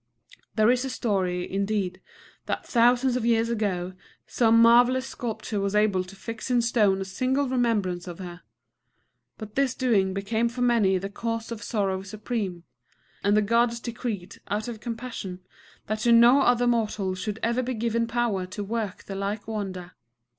There is a story, indeed, that thousands of years ago some marvellous sculptor was able to fix in stone a single remembrance of her. But this doing became for many the cause of sorrow supreme; and the Gods decreed, out of compassion, that to no other mortal should ever be given power to work the like wonder.